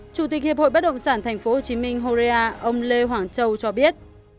chủ tịch hiệp hội bất động sản tp hcm horea ông lê hoàng châu cho biết